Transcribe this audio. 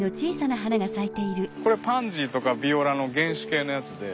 これパンジーとかビオラの原種系のやつで。